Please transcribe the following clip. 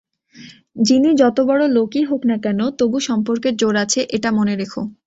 যিনি যতবড়ো লোকই হোক-না কেন, তবু সম্পর্কের জোর আছে এটা মনে রেখো।